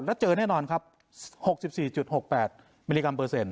แล้วเจอแน่นอนครับหกสิบสี่จุดหกแปดมิลลิกรัมเปอร์เซ็นต์